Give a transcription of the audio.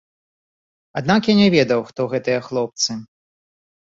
Аднак я не ведаў, хто гэтыя хлопцы.